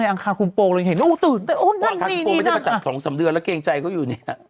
ว่าครับผมไม่ได้ไปจัด๒๓เดือนแล้วเกรงใจเขาอยู่เนี่ย